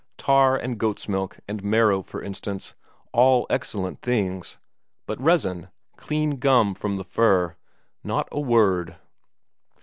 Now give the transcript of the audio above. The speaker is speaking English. Tar and goats' milk and marrow, for instance, all excellent things, but resin, clean gum from the fir not a word!